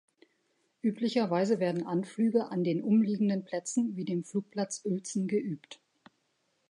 Üblicherweise werden Anflüge an den umliegenden Plätzen, wie dem Flugplatz Uelzen geübt.